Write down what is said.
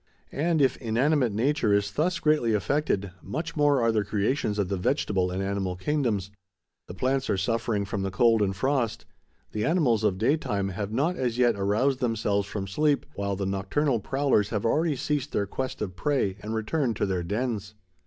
And if inanimate nature is thus greatly affected, much more are the creations of the vegetable and animal kingdoms. The plants are suffering from the cold and frost; the animals of daytime have not as yet aroused themselves from sleep, while the nocturnal prowlers have already ceased their quest of prey and returned to their dens.